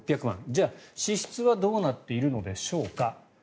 じゃあ、支出はどうなっているのでしょうか。